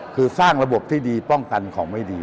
คือสร้างระบบที่ดีป้องกันของไม่ดี